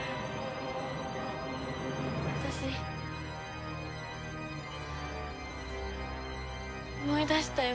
私思い出したよ。